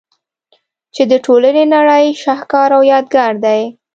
چي د ټولي نړۍ شهکار او يادګار دئ.